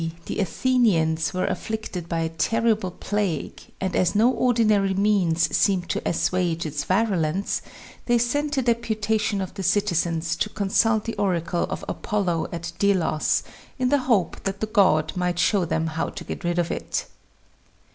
the Athenians were afflicted by a terrible plague, and as no ordinary means seemed to assuage its virulence, they sent a deputation of the citizens to consult the oracle of Apollo at Delos, in the hope that the god might show them how to get rid of it.